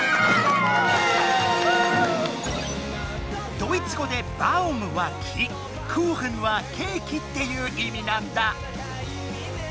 ドイツ語で「バウム」は「木」「クーヘン」は「ケーキ」っていう意味なんだ。